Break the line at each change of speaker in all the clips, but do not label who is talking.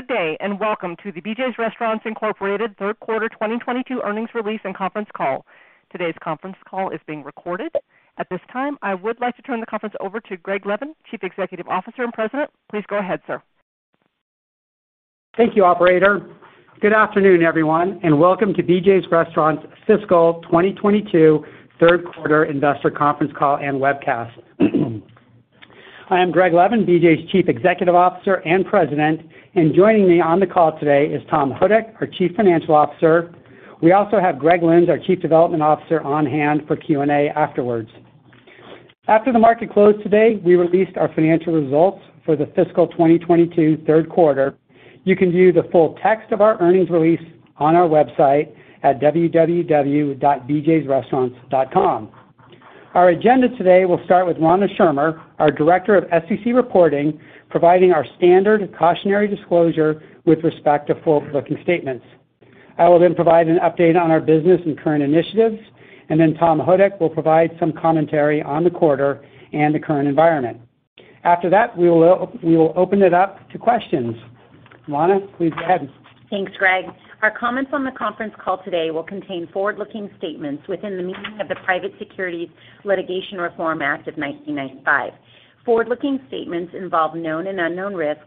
Good day, and welcome to the BJ's Restaurants, Inc. Q3 2022 Earnings Release and Conference Call. Today's conference call is being recorded. At this time, I would like to turn the conference over to Greg Levin, Chief Executive Officer and President. Please go ahead, sir.
Thank you, operator. Good afternoon, everyone, and welcome to BJ's Restaurants' fiscal 2022 Q3 Investor Conference Call and Webcast. I am Greg Levin, BJ's Chief Executive Officer and President, and joining me on the call today is Tom Houdek, our Chief Financial Officer. We also have Gregory Lynds, our Chief Development Officer, on hand for Q&A afterwards. After the market closed today, we released our financial results for the fiscal 2022 Q3. You can view the full text of our earnings release on our website at www.bjsrestaurants.com. Our agenda today will start with Rana Schirmer, our Director of SEC Reporting, providing our standard cautionary disclosure with respect to forward-looking statements. I will then provide an update on our business and current initiatives, and then Tom Houdek will provide some commentary on the quarter and the current environment. After that, we will open it up to questions. Rana, please go ahead.
Thanks, Greg. Our comments on the conference call today will contain forward-looking statements within the meaning of the Private Securities Litigation Reform Act of 1995. Forward-looking statements involve known and unknown risks,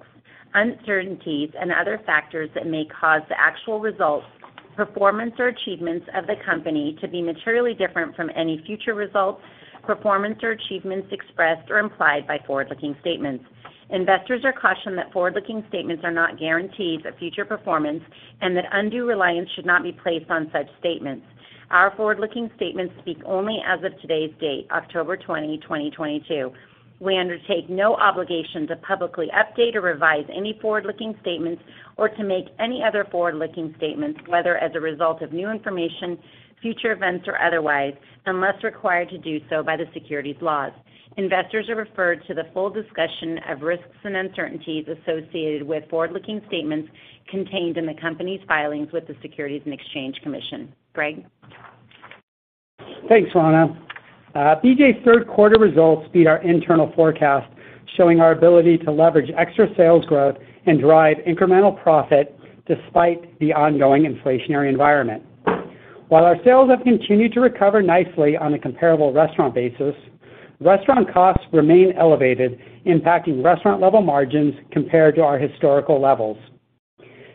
uncertainties, and other factors that may cause the actual results, performance, or achievements of the company to be materially different from any future results, performance, or achievements expressed or implied by forward-looking statements. Investors are cautioned that forward-looking statements are not guarantees of future performance and that undue reliance should not be placed on such statements. Our forward-looking statements speak only as of today's date, October 20, 2022. We undertake no obligation to publicly update or revise any forward-looking statements or to make any other forward-looking statements, whether as a result of new information, future events, or otherwise, unless required to do so by the securities laws. Investors are referred to the full discussion of risks and uncertainties associated with forward-looking statements contained in the company's filings with the Securities and Exchange Commission. Greg.
Thanks, Rana. BJ's Q3 results beat our internal forecast, showing our ability to leverage extra sales growth and drive incremental profit despite the ongoing inflationary environment. While our sales have continued to recover nicely on a comparable restaurant basis, restaurant costs remain elevated, impacting restaurant-level margins compared to our historical levels.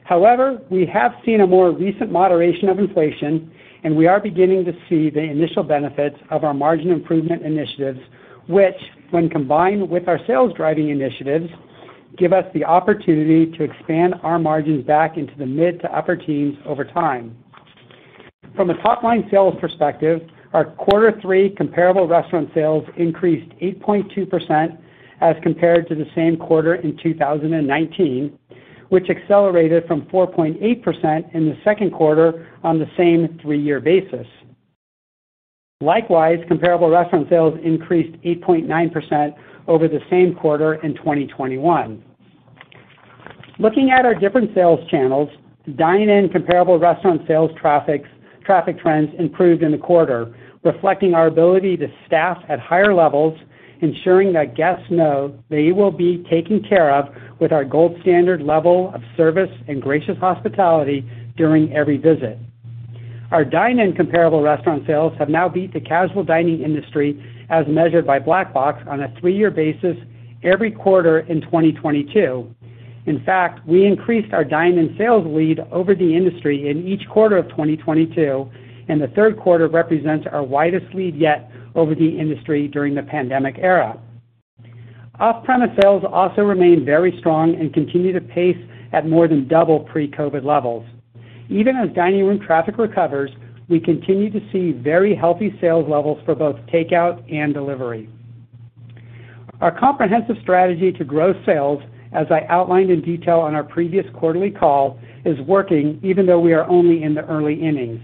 However, we have seen a more recent moderation of inflation, and we are beginning to see the initial benefits of our margin improvement initiatives, which, when combined with our sales-driving initiatives, give us the opportunity to expand our margins back into the mid to upper-teens over time. From a top-line sales perspective, our Q3 comparable restaurant sales increased 8.2% as compared to the same quarter in 2019, which accelerated from 4.8% in Q2 on the same three-year basis. Likewise, comparable restaurant sales increased 8.9% over the same quarter in 2021. Looking at our different sales channels, dine-in comparable restaurant sales traffic trends improved in the quarter, reflecting our ability to staff at higher levels, ensuring that guests know they will be taken care of with our gold standard level of service and gracious hospitality during every visit. Our dine-in comparable restaurant sales have now beat the casual dining industry as measured by Black Box on a three-year basis every quarter in 2022. In fact, we increased our dine-in sales lead over the industry in each quarter of 2022, and Q3 represents our widest lead yet over the industry during the pandemic era. Off-premise sales also remain very strong and continue to pace at more than double pre-COVID levels. Even as dining room traffic recovers, we continue to see very healthy sales levels for both takeout and delivery. Our comprehensive strategy to grow sales, as I outlined in detail on our previous quarterly call, is working even though we are only in the early innings.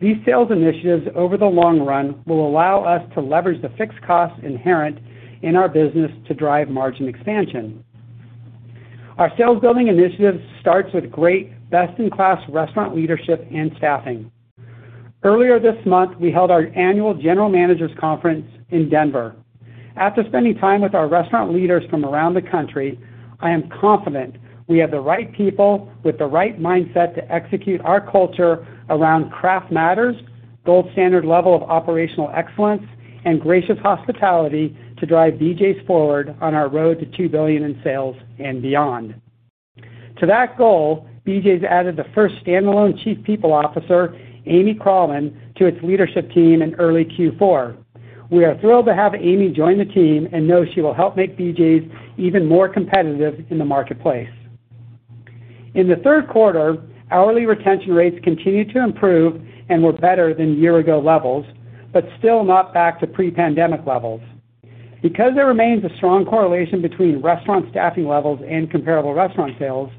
These sales initiatives over the long run will allow us to leverage the fixed costs inherent in our business to drive margin expansion. Our sales-building initiatives starts with great best-in-class restaurant leadership and staffing. Earlier this month, we held our annual general managers conference in Denver. After spending time with our restaurant leaders from around the country, I am confident we have the right people with the right mindset to execute our culture around Craft Matters, gold standard level of operational excellence, and gracious hospitality to drive BJ's forward on our road to $2 billion in sales and beyond. To that goal, BJ's added the first standalone Chief People Officer, Amy Krallman, to its leadership team in early Q4. We are thrilled to have Amy join the team and know she will help make BJ's even more competitive in the marketplace. In Q3, hourly retention rates continued to improve and were better than year ago levels, but still not back to pre-pandemic levels. Because there remains a strong correlation between restaurant staffing levels and comparable restaurant sales,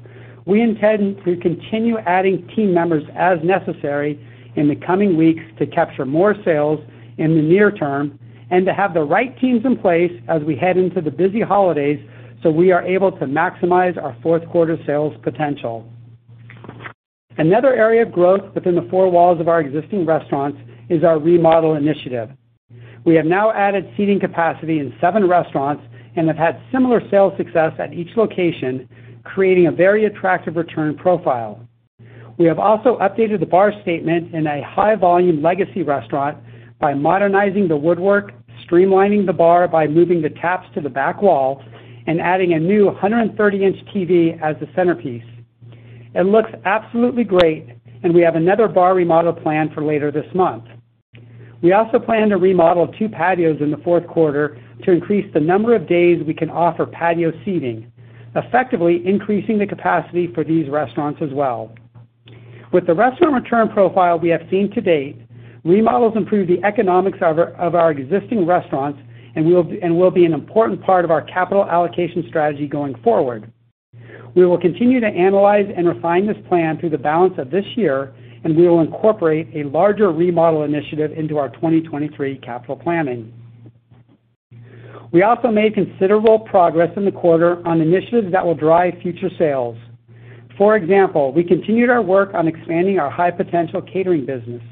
we intend to continue adding team members as necessary in the coming weeks to capture more sales in the near term and to have the right teams in place as we head into the busy holidays so we are able to maximize our Q4 sales potential. Another area of growth within the four walls of our existing restaurants is our remodel initiative. We have now added seating capacity in seven restaurants and have had similar sales success at each location, creating a very attractive return profile. We have also updated the bar station in a high volume legacy restaurant by modernizing the woodwork, streamlining the bar by moving the taps to the back wall, and adding a new 130-inch TV as the centerpiece. It looks absolutely great, and we have another bar remodel planned for later this month. We also plan to remodel two patios in Q4 to increase the number of days we can offer patio seating, effectively increasing the capacity for these restaurants as well. With the restaurant return profile we have seen to date, remodels improve the economics of our existing restaurants and will be an important part of our capital allocation strategy going forward. We will continue to analyze and refine this plan through the balance of this year, and we will incorporate a larger remodel initiative into our 2023 capital planning. We also made considerable progress in the quarter on initiatives that will drive future sales. For example, we continued our work on expanding our high potential catering business.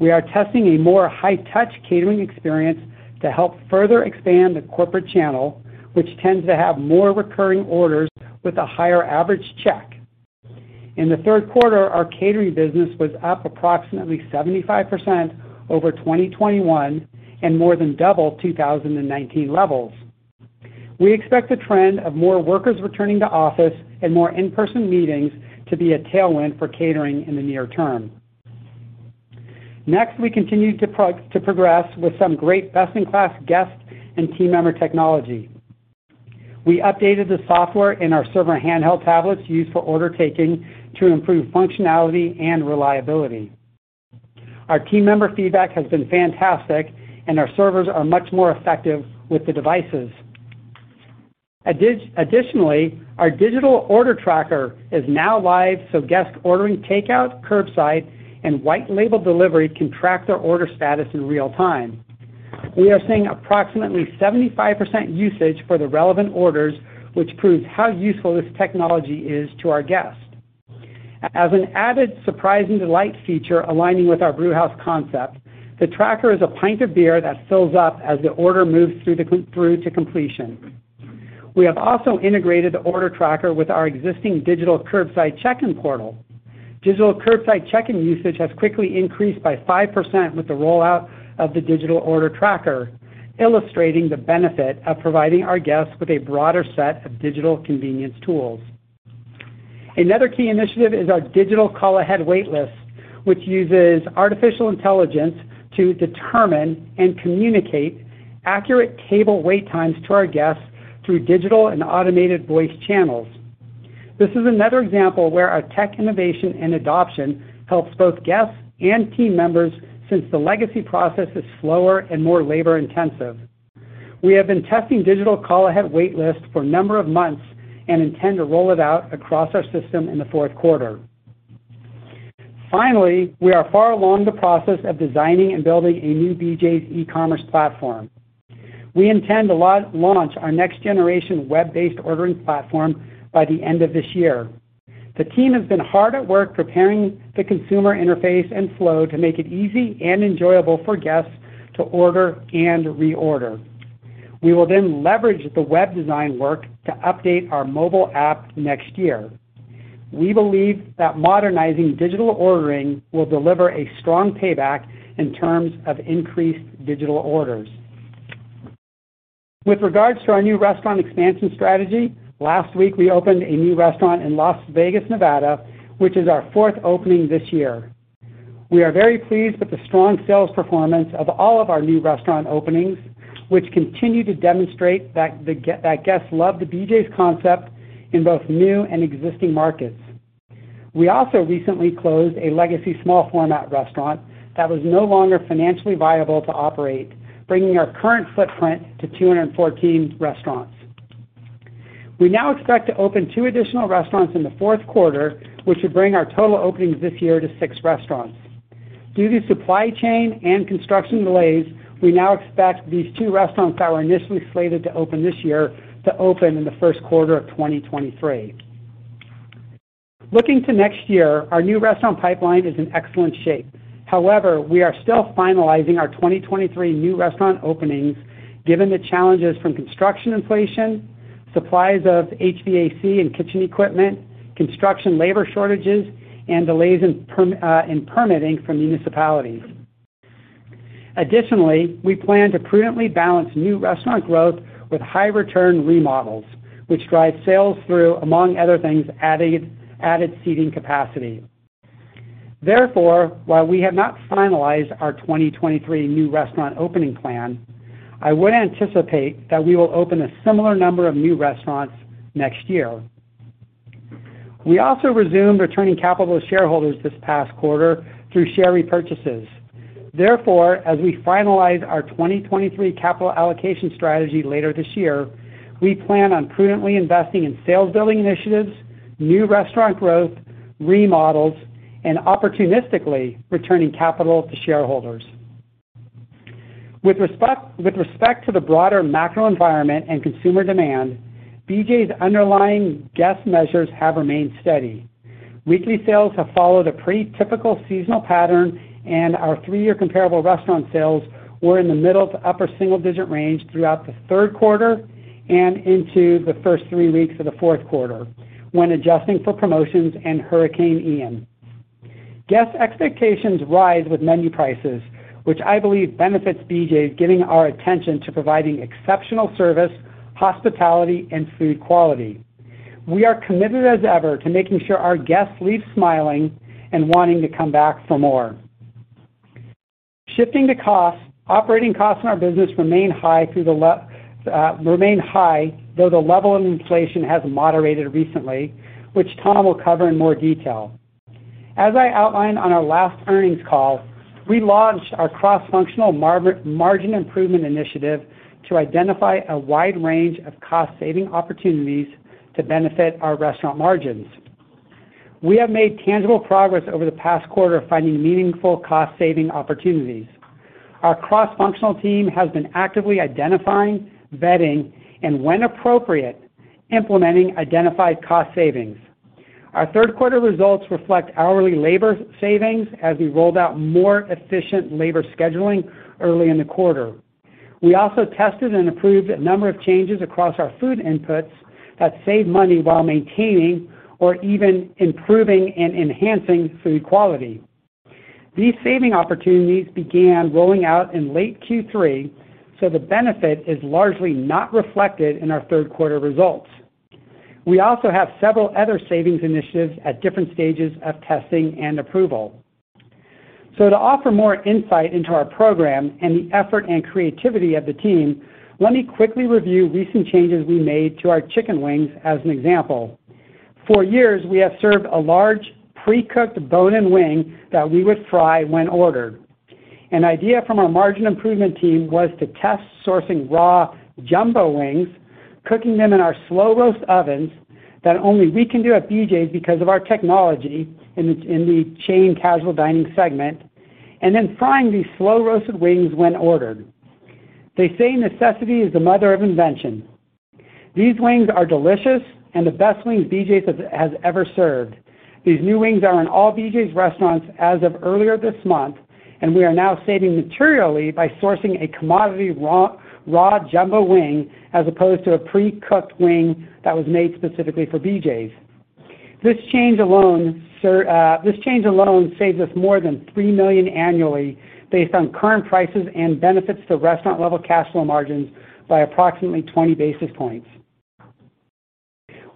We are testing a more high touch catering experience to help further expand the corporate channel, which tends to have more recurring orders with a higher average check. In Q3, our catering business was up approximately 75% over 2021 and more than double 2019 levels. We expect the trend of more workers returning to office and more in-person meetings to be a tailwind for catering in the near term. Next, we continue to progress with some great best in class guest and team member technology. We updated the software in our server handheld tablets used for order taking to improve functionality and reliability. Our team member feedback has been fantastic and our servers are much more effective with the devices. Additionally, our digital order tracker is now live so guests ordering takeout, curbside, and white label delivery can track their order status in real time. We are seeing approximately 75% usage for the relevant orders, which proves how useful this technology is to our guests. As an added surprise and delight feature aligning with our brewhouse concept, the tracker is a pint of beer that fills up as the order moves through to completion. We have also integrated the order tracker with our existing digital curbside check-in portal. Digital curbside check-in usage has quickly increased by 5% with the rollout of the digital order tracker, illustrating the benefit of providing our guests with a broader set of digital convenience tools. Another key initiative is our digital call ahead wait list, which uses artificial intelligence to determine and communicate accurate table wait times to our guests through digital and automated voice channels. This is another example where our tech innovation and adoption helps both guests and team members since the legacy process is slower and more labor intensive. We have been testing digital call ahead wait list for a number of months and intend to roll it out across our system in Q4. Finally, we are far along the process of designing and building a new BJ's e-commerce platform. We intend to launch our next generation web-based ordering platform by the end of this year. The team has been hard at work preparing the consumer interface and flow to make it easy and enjoyable for guests to order and re-order. We will then leverage the web design work to update our mobile app next year. We believe that modernizing digital ordering will deliver a strong payback in terms of increased digital orders. With regards to our new restaurant expansion strategy, last week we opened a new restaurant in Las Vegas, Nevada, which is our fourth opening this year. We are very pleased with the strong sales performance of all of our new restaurant openings, which continue to demonstrate that guests love the BJ's concept in both new and existing markets. We also recently closed a legacy small format restaurant that was no longer financially viable to operate, bringing our current footprint to 214 restaurants. We now expect to open two additional restaurants in Q4, which should bring our total openings this year to six restaurants. Due to supply chain and construction delays, we now expect these two restaurants that were initially slated to open this year to open in Q1 of 2023. Looking to next year, our new restaurant pipeline is in excellent shape. However, we are still finalizing our 2023 new restaurant openings given the challenges from construction inflation, supplies of HVAC and kitchen equipment, construction labor shortages, and delays in permitting from municipalities. Additionally, we plan to prudently balance new restaurant growth with high return remodels, which drive sales through, among other things, added seating capacity. Therefore, while we have not finalized our 2023 new restaurant opening plan, I would anticipate that we will open a similar number of new restaurants next year. We also resumed returning capital to shareholders this past quarter through share repurchases. Therefore, as we finalize our 2023 capital allocation strategy later this year, we plan on prudently investing in sales building initiatives, new restaurant growth, remodels, and opportunistically returning capital to shareholders. With respect to the broader macro environment and consumer demand, BJ's underlying guest measures have remained steady. Weekly sales have followed a pretty typical seasonal pattern, and our three-year comparable restaurant sales were in the middle to upper single-digit range throughout Q3 and into the first three weeks of Q4 when adjusting for promotions and Hurricane Ian. Guest expectations rise with menu prices, which I believe benefits BJ's giving our attention to providing exceptional service, hospitality, and food quality. We are committed as ever to making sure our guests leave smiling and wanting to come back for more. Shifting to costs, operating costs in our business remain high, though the level of inflation has moderated recently, which Tom will cover in more detail. As I outlined on our last earnings call, we launched our cross-functional margin improvement initiative to identify a wide range of cost-saving opportunities to benefit our restaurant margins. We have made tangible progress over the past quarter finding meaningful cost-saving opportunities. Our cross-functional team has been actively identifying, vetting, and when appropriate, implementing identified cost savings. Our Q3 results reflect hourly labor savings as we rolled out more efficient labor scheduling early in the quarter. We also tested and approved a number of changes across our food inputs that save money while maintaining or even improving and enhancing food quality. These saving opportunities began rolling out in late Q3, so the benefit is largely not reflected in our Q3 results. We also have several other savings initiatives at different stages of testing and approval. To offer more insight into our program and the effort and creativity of the team, let me quickly review recent changes we made to our chicken wings as an example. For years, we have served a large pre-cooked bone-in wing that we would fry when ordered. An idea from our margin improvement team was to test sourcing raw jumbo wings, cooking them in our slow roast ovens that only we can do at BJ's because of our technology in the chain casual dining segment, and then frying these slow roasted wings when ordered. They say necessity is the mother of invention. These wings are delicious and the best wings BJ's has ever served. These new wings are in all BJ's restaurants as of earlier this month, and we are now saving materially by sourcing a commodity raw jumbo wing as opposed to a pre-cooked wing that was made specifically for BJ's. This change alone saves us more than $3 million annually based on current prices and benefits to restaurant level cash flow margins by approximately 20 basis points.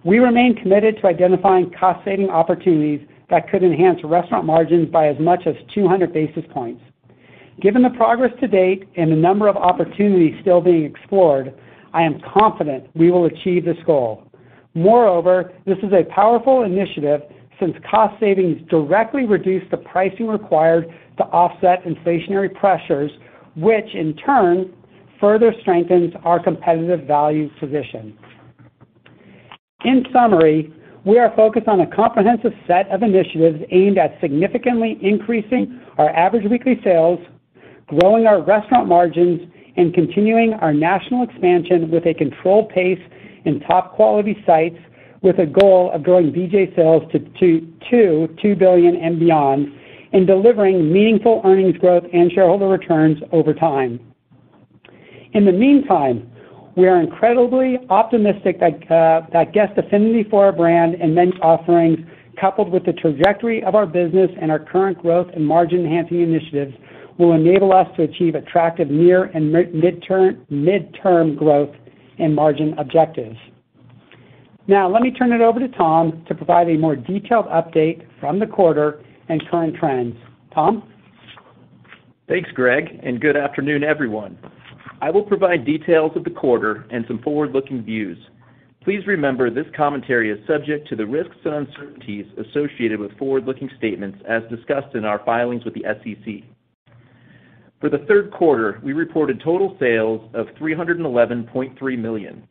We remain committed to identifying cost saving opportunities that could enhance restaurant margins by as much as 200 basis points. Given the progress to date and the number of opportunities still being explored, I am confident we will achieve this goal. Moreover, this is a powerful initiative since cost savings directly reduce the pricing required to offset inflationary pressures, which in turn further strengthens our competitive value position. In summary, we are focused on a comprehensive set of initiatives aimed at significantly increasing our average weekly sales, growing our restaurant margins, and continuing our national expansion with a controlled pace in top quality sites with a goal of growing BJ's sales to $2 billion and beyond, and delivering meaningful earnings growth and shareholder returns over time. In the meantime, we are incredibly optimistic that that guest affinity for our brand and menu offerings, coupled with the trajectory of our business and our current growth and margin enhancing initiatives, will enable us to achieve attractive near and mid-term growth and margin objectives. Now let me turn it over to Tom to provide a more detailed update from the quarter and current trends. Tom?
Thanks, Greg, and good afternoon, everyone. I will provide details of the quarter and some forward-looking views. Please remember this commentary is subject to the risks and uncertainties associated with forward-looking statements as discussed in our filings with the SEC. For Q3, we reported total sales of $311.3 million.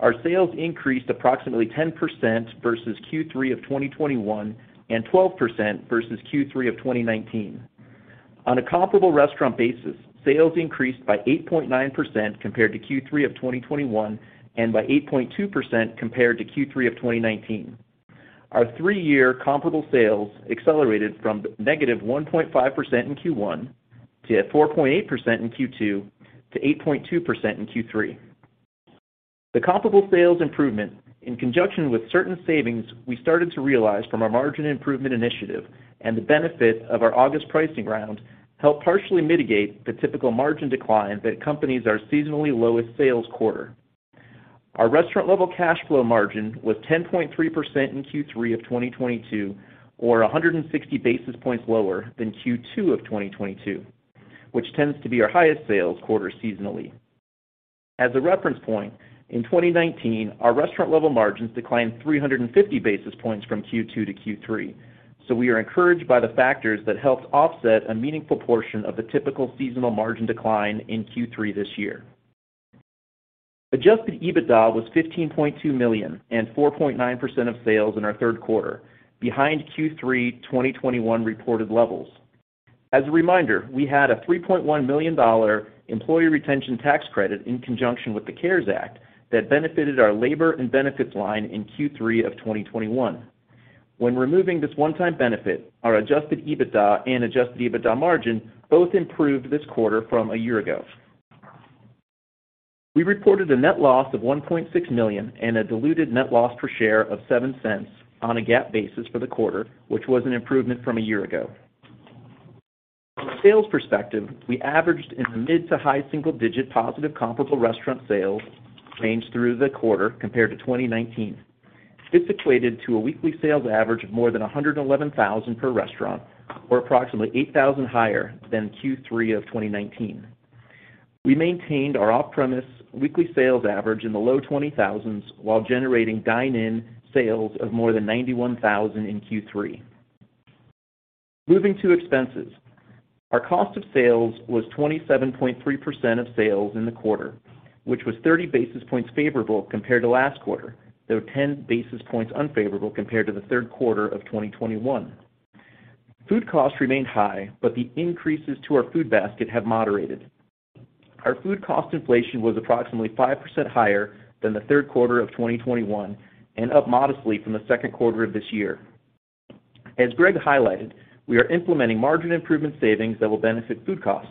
Our sales increased approximately 10% versus Q3 of 2021, and 12% versus Q3 of 2019. On a comparable restaurant basis, sales increased by 8.9% compared to Q3 of 2021, and by 8.2% compared to Q3 of 2019. Our three-year comparable sales accelerated from -1.5% in Q1 to 4.8% in Q2 to 8.2% in Q3. The comparable sales improvement, in conjunction with certain savings we started to realize from our margin improvement initiative and the benefit of our August pricing round, helped partially mitigate the typical margin decline that accompanies our seasonally lowest sales quarter. Our restaurant level cash flow margin was 10.3% in Q3 of 2022, or 160 basis points lower than Q2 of 2022, which tends to be our highest sales quarter seasonally. As a reference point, in 2019, our restaurant level margins declined 350 basis points from Q2 to Q3. We are encouraged by the factors that helped offset a meaningful portion of the typical seasonal margin decline in Q3 this year. Adjusted EBITDA was $15.2 million and 4.9% of sales in our Q3, behind Q3 2021 reported levels. As a reminder, we had a $3.1 million employee retention tax credit in conjunction with the CARES Act that benefited our labor and benefits line in Q3 of 2021. When removing this one-time benefit, our adjusted EBITDA and adjusted EBITDA margin both improved this quarter from a year ago. We reported a net loss of $1.6 million and a diluted net loss per share of $0.07 on a GAAP basis for the quarter, which was an improvement from a year ago. From a sales perspective, we averaged in the mid-to high single-digit positive comparable restaurant sales range through the quarter compared to 2019. This equated to a weekly sales average of more than $111,000 per restaurant, or approximately $8,000 higher than Q3 of 2019. We maintained our off-premise weekly sales average in the low $20,000s while generating dine-in sales of more than $91,000 in Q3. Moving to expenses. Our cost of sales was 27.3% of sales in the quarter, which was 30 basis points favorable compared to last quarter, though 10 basis points unfavorable compared to the Q3 of 2021. Food costs remained high, but the increases to our food basket have moderated. Our food cost inflation was approximately 5% higher than Q3 of 2021 and up modestly from Q2 of this year. As Greg highlighted, we are implementing margin improvement savings that will benefit food costs.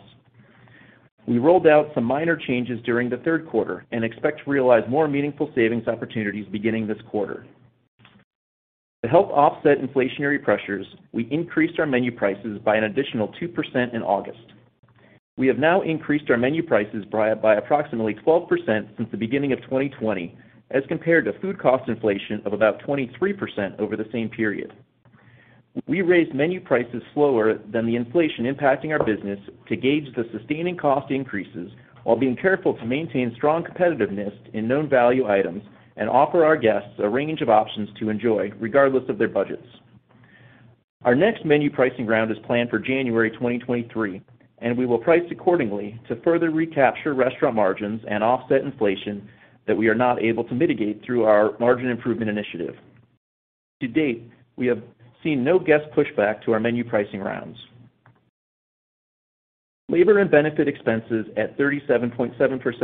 We rolled out some minor changes during Q3 and expect to realize more meaningful savings opportunities beginning this quarter. To help offset inflationary pressures, we increased our menu prices by an additional 2% in August. We have now increased our menu prices by approximately 12% since the beginning of 2020, as compared to food cost inflation of about 23% over the same period. We raised menu prices slower than the inflation impacting our business to gauge the sustaining cost increases while being careful to maintain strong competitiveness in known value items and offer our guests a range of options to enjoy regardless of their budgets. Our next menu pricing round is planned for January 2023, and we will price accordingly to further recapture restaurant margins and offset inflation that we are not able to mitigate through our margin improvement initiative. To date, we have seen no guest pushback to our menu pricing rounds. Labor and benefit expenses at 37.7%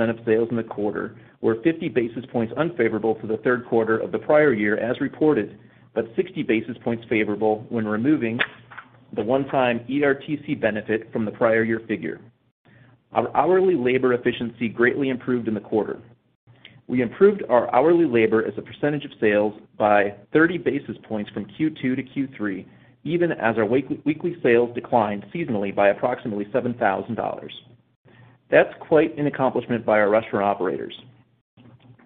of sales in the quarter were 50 basis points unfavorable for Q3 of the prior year as reported, but 60 basis points favorable when removing the one-time ERTC benefit from the prior year figure. Our hourly labor efficiency greatly improved in the quarter. We improved our hourly labor as a percentage of sales by 30 basis points from Q2 to Q3, even as our weekly sales declined seasonally by approximately $7,000. That's quite an accomplishment by our restaurant operators.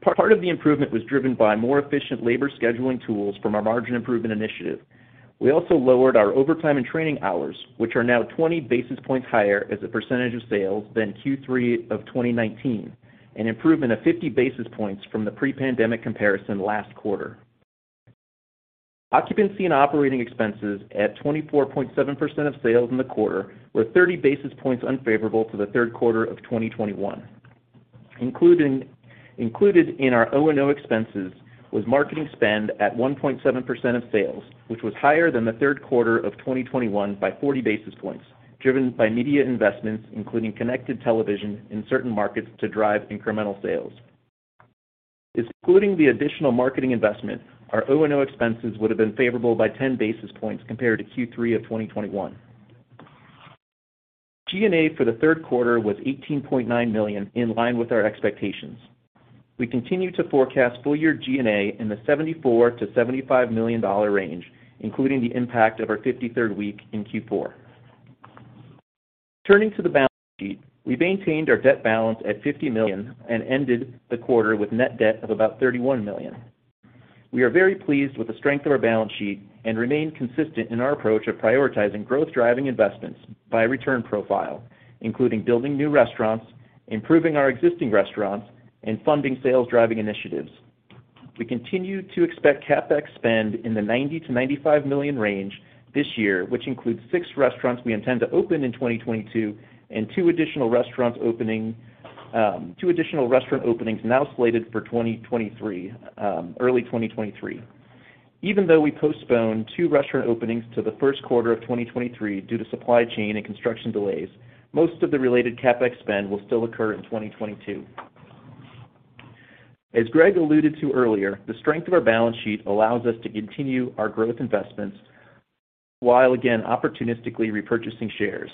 Part of the improvement was driven by more efficient labor scheduling tools from our margin improvement initiative. We also lowered our overtime and training hours, which are now 20 basis points higher as a percentage of sales than Q3 of 2019, an improvement of 50 basis points from the pre-pandemic comparison last quarter. Occupancy and operating expenses at 24.7% of sales in the quarter were 30 basis points unfavorable to Q3 of 2021. Including in our O&O expenses was marketing spend at 1.7% of sales, which was higher than Q3 of 2021 by 40 basis points, driven by media investments, including connected television in certain markets to drive incremental sales. Excluding the additional marketing investment, our O&O expenses would have been favorable by 10 basis points compared to Q3 of 2021. G&A for Q3 was $18.9 million, in line with our expectations. We continue to forecast full year G&A in the $74 million-$75 million range, including the impact of our 53rd week in Q4. Turning to the balance sheet. We maintained our debt balance at $50 million and ended the quarter with net debt of about $31 million. We are very pleased with the strength of our balance sheet and remain consistent in our approach of prioritizing growth-driving investments by return profile, including building new restaurants, improving our existing restaurants, and funding sales-driving initiatives. We continue to expect CapEx spend in the $90-$95 million range this year, which includes six restaurants we intend to open in 2022 and two additional restaurants opening, two additional restaurant openings now slated for 2023, early 2023. Even though we postponed two restaurant openings to Q1 of 2023 due to supply chain and construction delays, most of the related CapEx spend will still occur in 2022. As Greg alluded to earlier, the strength of our balance sheet allows us to continue our growth investments while again opportunistically repurchasing shares.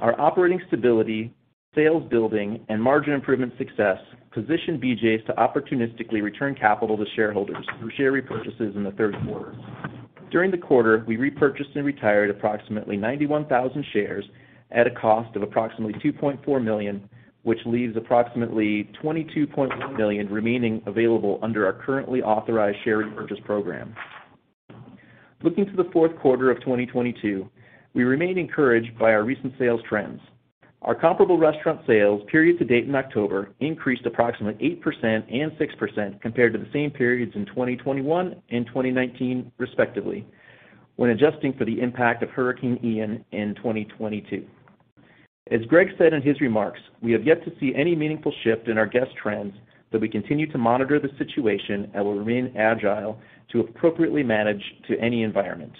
Our operating stability, sales building, and margin improvement success position BJ's to opportunistically return capital to shareholders through share repurchases in Q3. During the quarter, we repurchased and retired approximately 91,000 shares at a cost of approximately $2.4 million, which leaves approximately $22.1 million remaining available under our currently authorized share repurchase program. Looking to Q4 of 2022, we remain encouraged by our recent sales trends. Our comparable restaurant sales period to date in October increased approximately 8% and 6% compared to the same periods in 2021 and 2019 respectively when adjusting for the impact of Hurricane Ian in 2022. As Greg said in his remarks, we have yet to see any meaningful shift in our guest trends, but we continue to monitor the situation and will remain agile to appropriately manage to any environment.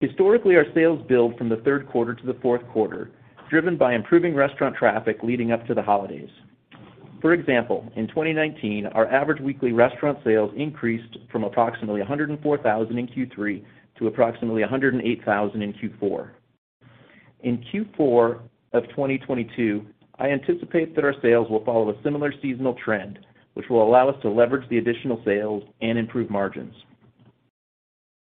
Historically, our sales build from Q3 to Q4, driven by improving restaurant traffic leading up to the holidays. For example, in 2019, our average weekly restaurant sales increased from approximately $104,000 in Q3 to approximately $108,000 in Q4. In Q4 of 2022, I anticipate that our sales will follow a similar seasonal trend, which will allow us to leverage the additional sales and improve margins.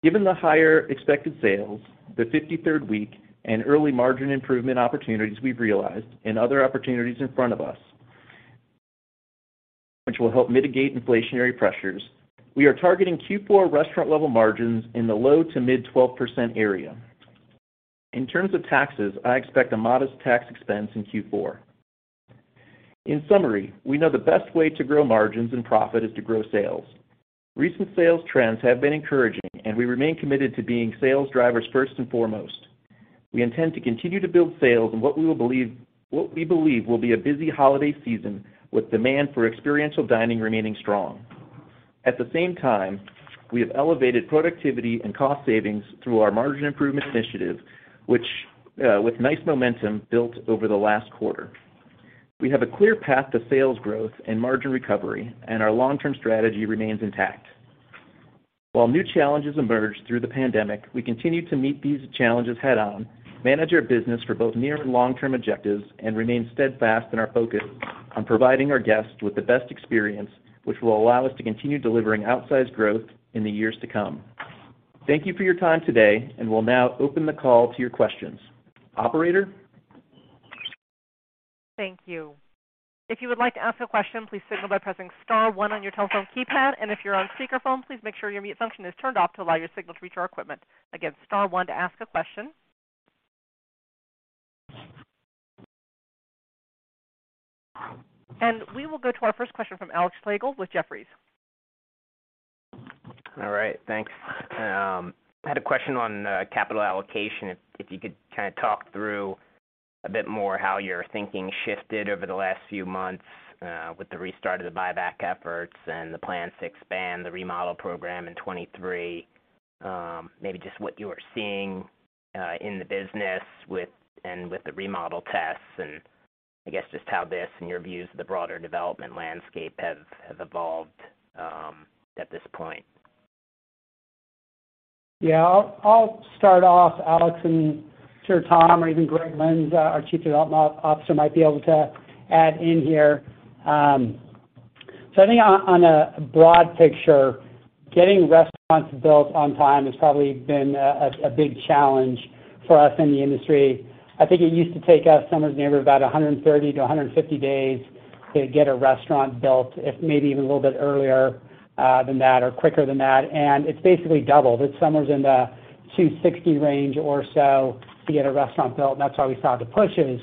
Given the higher expected sales, the 53rd week and early margin improvement opportunities we've realized and other opportunities in front of us, which will help mitigate inflationary pressures, we are targeting Q4 restaurant level margins in the low-to-mid 12% area. In terms of taxes, I expect a modest tax expense in Q4. In summary, we know the best way to grow margins and profit is to grow sales. Recent sales trends have been encouraging, and we remain committed to being sales drivers first and foremost. We intend to continue to build sales and what we believe will be a busy holiday season with demand for experiential dining remaining strong. At the same time, we have elevated productivity and cost savings through our margin improvement initiative, which, with nice momentum built over the last quarter. We have a clear path to sales growth and margin recovery, and our long-term strategy remains intact. While new challenges emerged through the pandemic, we continue to meet these challenges head on, manage our business for both near and long-term objectives, and remain steadfast in our focus on providing our guests with the best experience, which will allow us to continue delivering outsized growth in the years to come. Thank you for your time today, and we'll now open the call to your questions. Operator?
Thank you. If you would like to ask a question, please signal by pressing star one on your telephone keypad. If you're on speaker phone, please make sure your mute function is turned off to allow your signal to reach our equipment. Again, star one to ask a question. We will go to our first question from Alex Slagle with Jefferies.
All right. Thanks. I had a question on capital allocation. If you could kinda talk through a bit more how your thinking shifted over the last few months with the restart of the buyback efforts and the plans to expand the remodel program in 2023? Maybe just what you are seeing in the business with the remodel tests and I guess just how this and your views of the broader development landscape have evolved at this point?
Yeah. I'll start off, Alex, and sure Tom or even Greg Lynds, our Chief Development Officer, might be able to add in here. I think on a broad picture, getting restaurants built on time has probably been a big challenge for us in the industry. I think it used to take us somewhere near about 130 to 150 days to get a restaurant built, if maybe even a little bit earlier than that or quicker than that. It's basically doubled. It's somewhere in the 260 range or so to get a restaurant built, and that's why we started the pushes.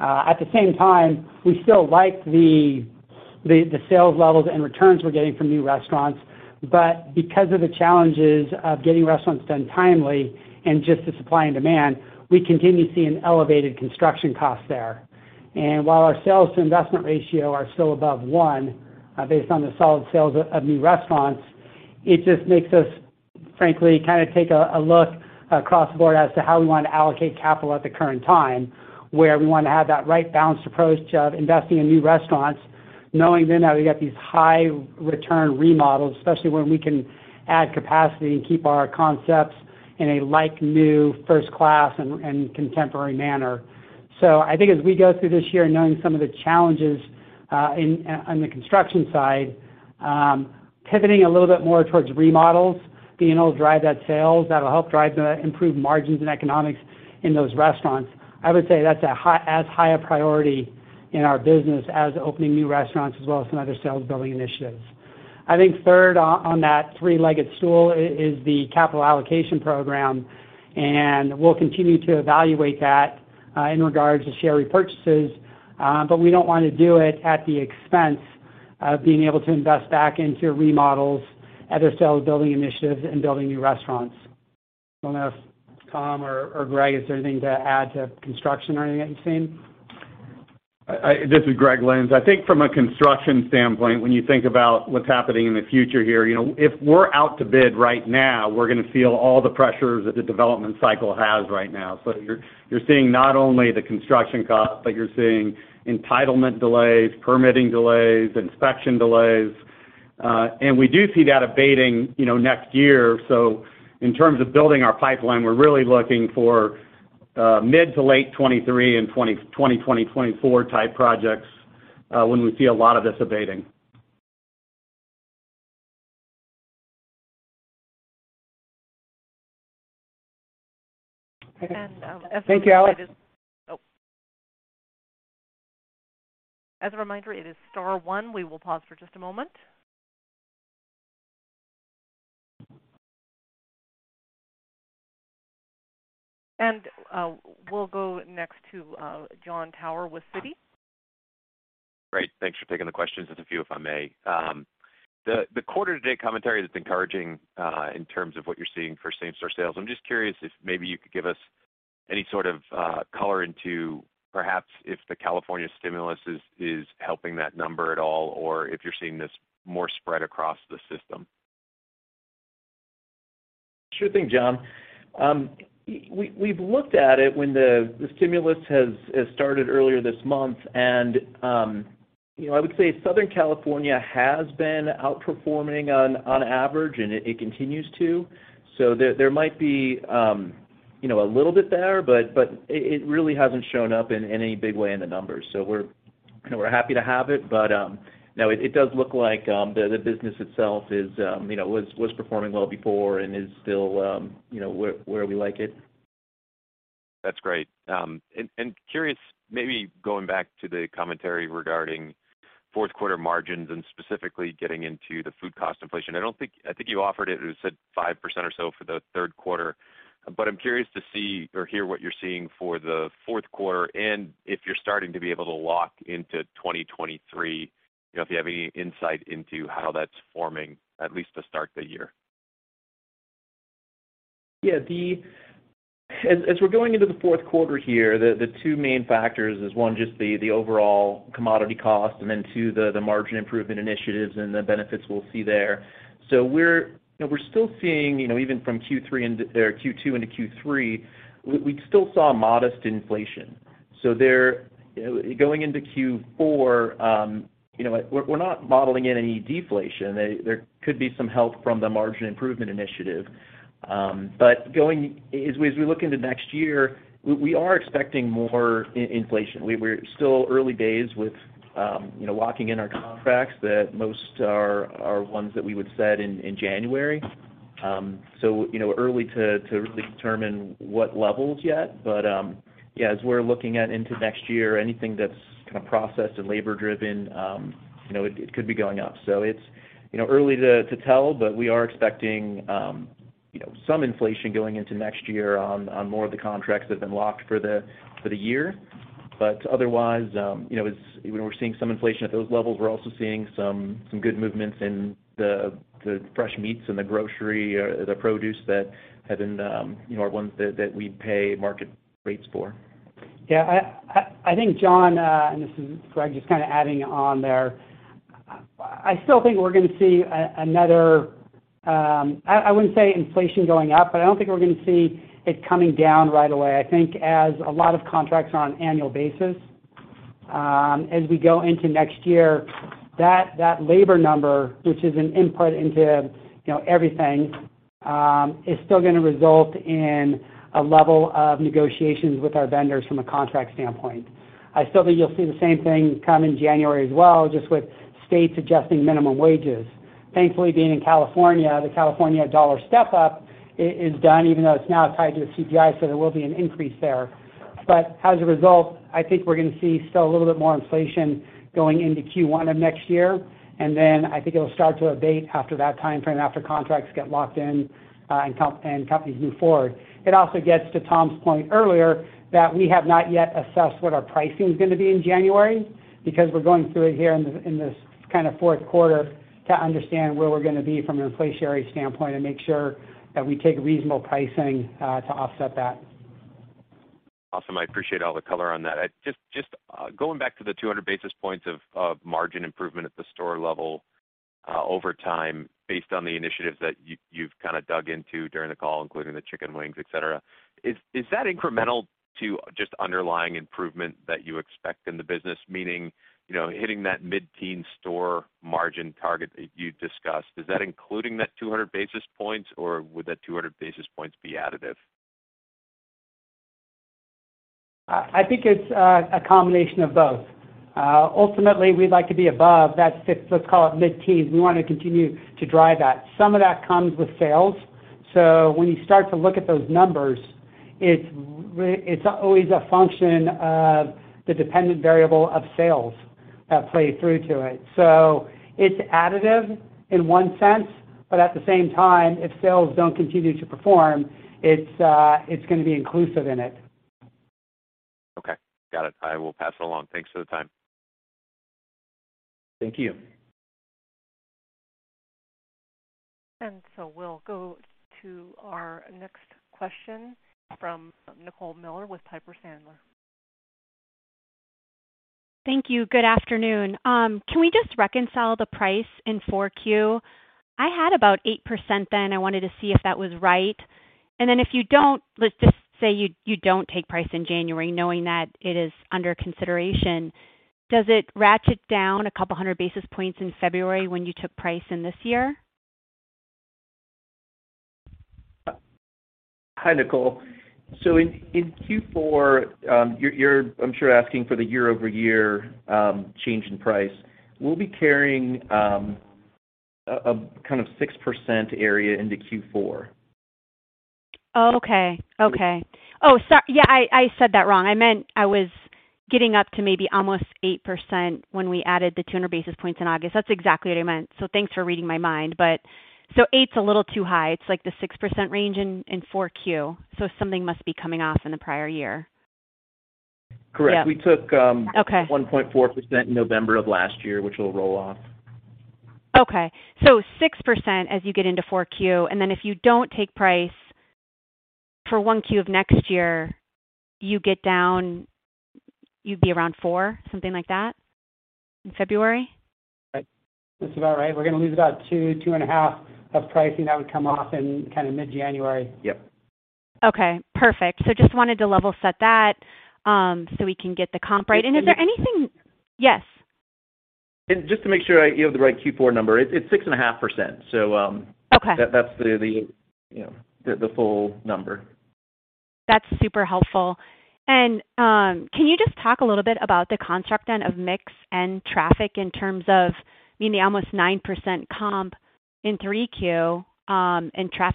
At the same time, we still like the sales levels and returns we're getting from new restaurants. Because of the challenges of getting restaurants done timely and just the supply and demand, we continue to see an elevated construction cost there. While our sales to investment ratio are still above one, based on the solid sales of new restaurants, it just makes us frankly kinda take a look across the board as to how we wanna allocate capital at the current time. We wanna have that right balanced approach of investing in new restaurants, knowing then that we got these high return remodels, especially when we can add capacity and keep our concepts in a like-new first class and contemporary manner. I think as we go through this year knowing some of the challenges in, on the construction side, pivoting a little bit more towards remodels, being able to drive that sales, that'll help drive the improved margins and economics in those restaurants. I would say that's as high a priority in our business as opening new restaurants as well as some other sales building initiatives. I think third on that three-legged stool is the capital allocation program, and we'll continue to evaluate that in regards to share repurchases. We don't wanna do it at the expense of being able to invest back into remodels, other sales building initiatives, and building new restaurants. Don't know if Tom or Greg has anything to add to construction or anything that you've seen?
This is Gregory Lynds. I think from a construction standpoint, when you think about what's happening in the future here, you know, if we're out to bid right now, we're gonna feel all the pressures that the development cycle has right now. You're seeing not only the construction costs, but you're seeing entitlement delays, permitting delays, inspection delays. And we do see that abating, you know, next year. In terms of building our pipeline, we're really looking for mid-to-late 2023 and 2024 type projects, when we see a lot of this abating.
As a reminder.
Thank you, Alex.
Oh. As a reminder, it is star one. We will pause for just a moment. We'll go next to Jon Tower with Citi.
Great. Thanks for taking the questions. Just a few, if I may. The quarter-to-date commentary is encouraging, in terms of what you're seeing for same-store sales. I'm just curious if maybe you could give us any sort of color into perhaps if the California stimulus is helping that number at all, or if you're seeing this more spread across the system.
Sure thing, John. We've looked at it when the stimulus has started earlier this month. You know, I would say Southern California has been outperforming on average, and it continues to. There might be, you know, a little bit there, but it really hasn't shown up in any big way in the numbers. We're happy to have it, but no, it does look like the business itself is you know was performing well before and is still you know where we like it.
That's great. Curious, maybe going back to the commentary regarding Q4 margins and specifically getting into the food cost inflation. I think you offered it as said 5% or so for Q3. I'm curious to see or hear what you're seeing for Q4 and if you're starting to be able to lock into 2023, you know, if you have any insight into how that's forming, at least to start the year.
Yeah. As we're going into Q4 here, the two main factors is one, just the overall commodity cost, and then two, the margin improvement initiatives and the benefits we'll see there. You know, we're still seeing, you know, even from Q3 into or Q2 into Q3, we still saw modest inflation. There going into Q4, you know, we're not modeling in any deflation. There could be some help from the margin improvement initiative. As we look into next year, we are expecting more inflation. We're still early days with, you know, locking in our contracts that most are ones that we would set in January. You know, early to really determine what levels yet. Yeah, as we're looking into next year, anything that's kind of processed and labor driven, you know, it could be going up. It's early to tell, but we are expecting some inflation going into next year on more of the contracts that have been locked for the year. Otherwise, you know, we're seeing some inflation at those levels. We're also seeing some good movements in the fresh meats and the grocery, the produce that are ones that we pay market rates for.
Yeah. I think, Jon, and this is Greg, just kind of adding on there. I still think we're gonna see another. I wouldn't say inflation going up, but I don't think we're gonna see it coming down right away. I think as a lot of contracts are on annual basis, as we go into next year, that labor number, which is an input into, you know, everything, is still gonna result in a level of negotiations with our vendors from a contract standpoint. I still think you'll see the same thing come in January as well, just with states adjusting minimum wages. Thankfully, being in California, the California dollar step up is done even though it's now tied to a CPI, so there will be an increase there. As a result, I think we're gonna see still a little bit more inflation going into Q1 of next year. Then I think it'll start to abate after that timeframe, after contracts get locked in, and companies move forward. It also gets to Tom's point earlier that we have not yet assessed what our pricing is gonna be in January because we're going through it here in this, in this kind of Q4 to understand where we're gonna be from an inflationary standpoint and make sure that we take reasonable pricing to offset that.
Awesome. I appreciate all the color on that. I just going back to the 200 basis points of margin improvement at the store level over time based on the initiatives that you've kind of dug into during the call, including the chicken wings, et cetera. Is that incremental to just underlying improvement that you expect in the business? Meaning, you know, hitting that mid-teen store margin target that you discussed, is that including that 200 basis points, or would that 200 basis points be additive?
I think it's a combination of both. Ultimately, we'd like to be above that, let's call it mid-teens. We wanna continue to drive that. Some of that comes with sales. When you start to look at those numbers, it's always a function of the dependent variable of sales that play through to it. It's additive in one sense, but at the same time, if sales don't continue to perform, it's gonna be inclusive in it.
Okay. Got it. I will pass it along. Thanks for the time.
Thank you.
We'll go to our next question from Nicole Miller with Piper Sandler.
Thank you. Good afternoon. Can we just reconcile the price in 4Q? I had about 8% then. I wanted to see if that was right. Then if you don't, let's just say you don't take price in January knowing that it is under consideration. Does it ratchet down a couple hundred basis points in February when you took price in this year?
Hi, Nicole. In Q4, I'm sure you're asking for the year-over-year change in price. We'll be carrying a kind of 6% erea into Q4.
Okay. Oh, yeah, I said that wrong. I meant I was getting up to maybe almost 8% when we added the 200 basis points in August. That's exactly what I meant. Thanks for reading my mind. But 8% is a little too high. It's like the 6% range in 4Q. Something must be coming off in the prior year.
Correct.
Yeah.
We took.
Okay
1.4% November of last year, which will roll off.
Okay. 6% as you get into 4Q. If you don't take price for 1Q of next year, you get down. You'd be around 4%, something like that, in February?
Right.
That's about right. We're gonna lose about 2%-2.5% of pricing that would come off in kinda mid-January.
Yep.
Okay, perfect. Just wanted to level set that, so we can get the comp right.
And-
Is there anything? Yes.
Just to make sure you have the right Q4 number. It, it's 6.5%.
Okay
That's the, you know, the full number.
That's super helpful. Can you just talk a little bit about the construct then of mix and traffic in terms of, I mean, the almost 9% comp in 3Q, and price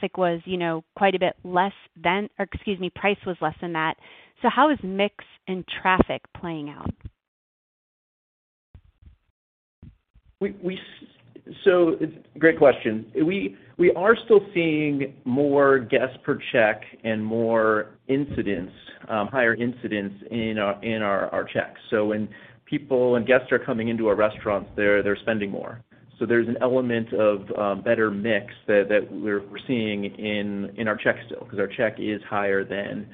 was less than that. How is mix and traffic playing out?
Great question. We are still seeing more guests per check and more items, higher items in our checks. When people and guests are coming into our restaurants, they're spending more. There's an element of better mix that we're seeing in our checks still, because our check is higher than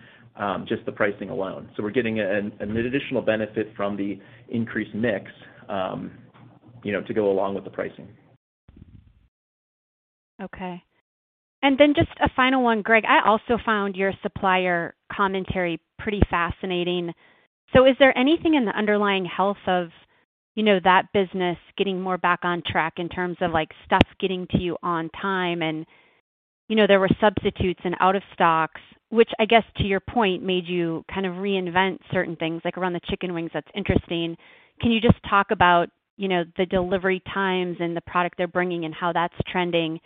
just the pricing alone. We're getting an additional benefit from the increased mix, you know, to go along with the pricing.
Okay. Then just a final one, Greg. I also found your supplier commentary pretty fascinating. Is there anything in the underlying health of, you know, that business getting more back on track in terms of like stuff getting to you on time and, you know, there were substitutes and out of stocks, which I guess, to your point, made you kind of reinvent certain things, like around the chicken wings. That's interesting. Can you just talk about, you know, the delivery times and the product they're bringing and how that's trending?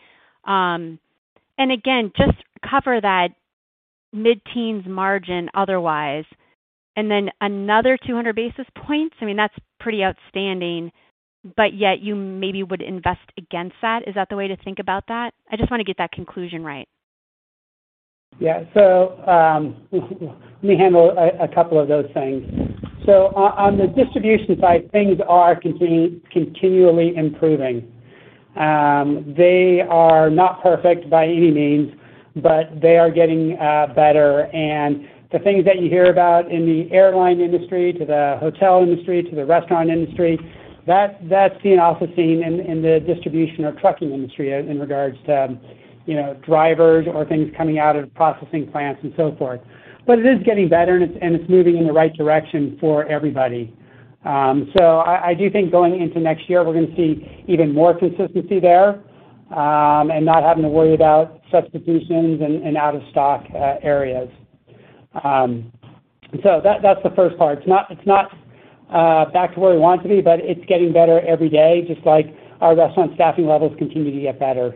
Again, just cover that mid-teens margin otherwise. Then another 200 basis points, I mean, that's pretty outstanding, but yet you maybe would invest against that. Is that the way to think about that? I just wanna get that conclusion right.
Yeah. Let me handle a couple of those things. On the distribution side, things are continually improving. They are not perfect by any means, but they are getting better. The things that you hear about in the airline industry to the hotel industry, to the restaurant industry, that's being also seen in the distribution or trucking industry in regards to, you know, drivers or things coming out of processing plants and so forth. It is getting better, and it's moving in the right direction for everybody. I do think going into next year, we're gonna see even more consistency there, and not having to worry about substitutions and out of stock areas. That's the first part. It's not back to where we want to be, but it's getting better every day, just like our restaurant staffing levels continue to get better.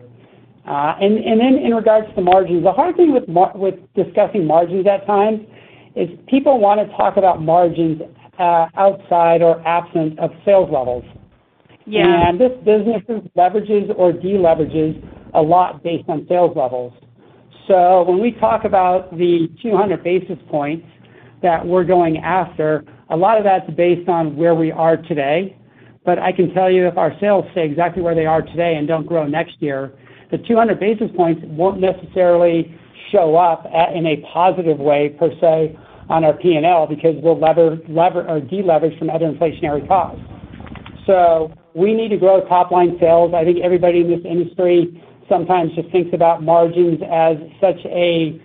In regards to margins, the hard thing with discussing margins at times is people wanna talk about margins outside or absent of sales levels.
Yeah.
This business is leverages or de-leverages a lot based on sales levels. When we talk about the 200 basis points that we're going after, a lot of that's based on where we are today. I can tell you if our sales stay exactly where they are today and don't grow next year, the 200 basis points won't necessarily show up in a positive way per se on our P&L because we'll lever or de-leverage from other inflationary costs. We need to grow top line sales. I think everybody in this industry sometimes just thinks about margins as such a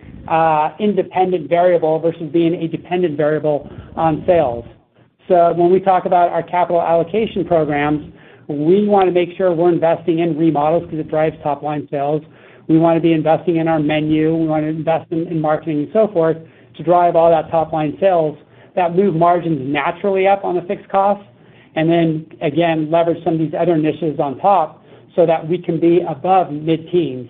independent variable versus being a dependent variable on sales. When we talk about our capital allocation programs, we wanna make sure we're investing in remodels because it drives top line sales. We wanna be investing in our menu. We wanna invest in marketing and so forth to drive all that top-line sales that move margins naturally up on the fixed cost. Then again, leverage some of these other initiatives on top so that we can be above mid-teens.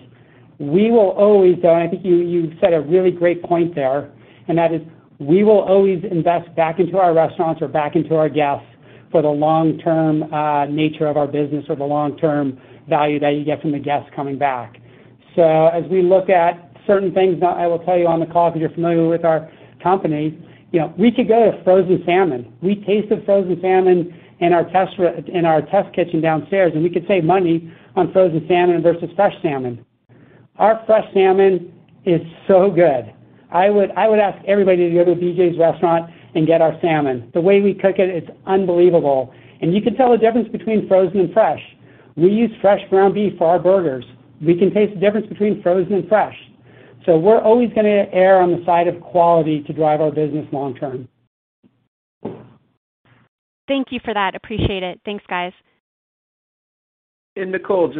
We will always, though, and I think you said a really great point there, and that is we will always invest back into our restaurants or back into our guests for the long-term nature of our business or the long-term value that you get from the guests coming back. As we look at certain things, now I will tell you on the call, if you're familiar with our company, you know, we could go to frozen salmon. We tasted frozen salmon in our test kitchen downstairs, and we could save money on frozen salmon versus fresh salmon. Our fresh salmon is so good. I would ask everybody to go to a BJ's restaurant and get our salmon. The way we cook it's unbelievable. You can tell the difference between frozen and fresh. We use fresh ground beef for our burgers. We can taste the difference between frozen and fresh. We're always gonna err on the side of quality to drive our business long term.
Thank you for that. Appreciate it. Thanks, guys.
Nicole,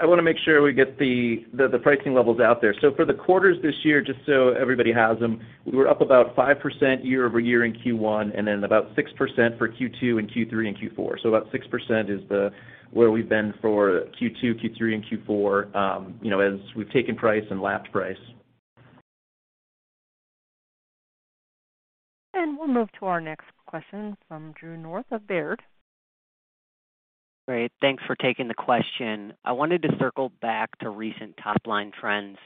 I wanna make sure we get the pricing levels out there. For the quarters this year, just so everybody has them, we were up about 5% year-over-year in Q1 and then about 6% for Q2 and Q3 and Q4. About 6% is where we've been for Q2, Q3, and Q4, you know, as we've taken price and lapped price.
We'll move to our next question from Andrew North of Baird.
Great. Thanks for taking the question. I wanted to circle back to recent top-line trends.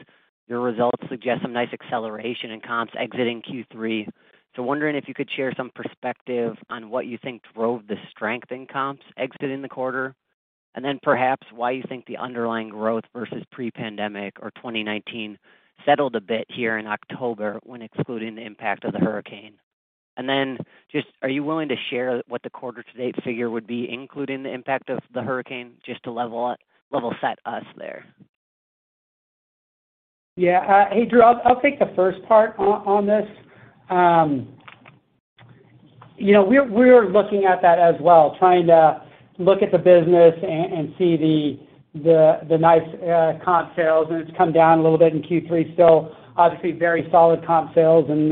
Your results suggest some nice acceleration in comps exiting Q3. Wondering if you could share some perspective on what you think drove the strength in comps exiting the quarter. Perhaps why you think the underlying growth versus pre-pandemic or 2019 settled a bit here in October when excluding the impact of the hurricane. Just are you willing to share what the quarter-to-date figure would be including the impact of the hurricane just to level set us there?
Yeah. Hey, Drew, I'll take the first part on this. You know, we're looking at that as well, trying to look at the business and see the nice comp sales, and it's come down a little bit in Q3. Still obviously very solid comp sales and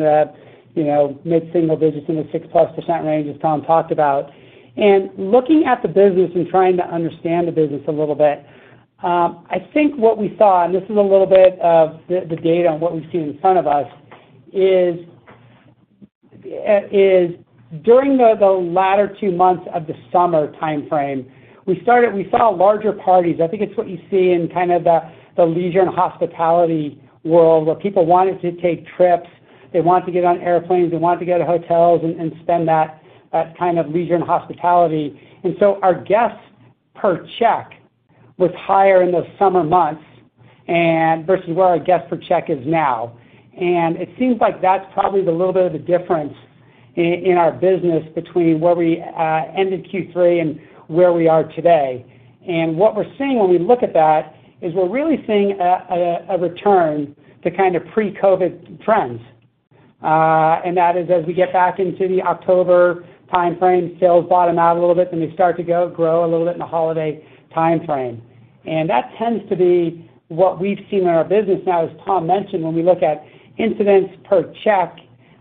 you know, mid-single digits in the 6%+ range as Tom talked about. Looking at the business and trying to understand the business a little bit, I think what we saw, and this is a little bit of the data on what we see in front of us, is during the latter two months of the summer timeframe, we saw larger parties. I think it's what you see in kind of the leisure and hospitality world where people wanted to take trips, they wanted to get on airplanes, they wanted to go to hotels and spend that kind of leisure and hospitality. Our guests per check was higher in the summer months and versus where our guest per check is now. It seems like that's probably the little bit of a difference in our business between where we ended Q3 and where we are today. What we're seeing when we look at that is we're really seeing a return to kind of pre-COVID trends. That is as we get back into the October timeframe, sales bottom out a little bit, then they start to grow a little bit in the holiday timeframe. That tends to be what we've seen in our business now, as Tom mentioned, when we look at entrees per check